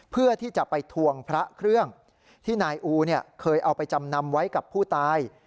เพื่อที่จะไปทวงพระเครื่องที่นายอูเคยเอาไปจำนำไว้กับผู้ตาย